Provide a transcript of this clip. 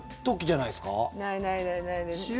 ないない。